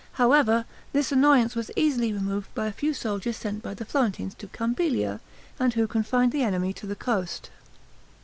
However, this annoyance was easily removed by a few soldiers sent by the Florentines to Campiglia, and who confined the enemy to the coast.